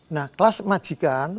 nah kelas majikan